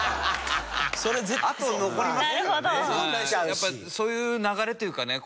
やっぱそういう流れというかね